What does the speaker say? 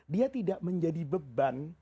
dia tidak menjadi beban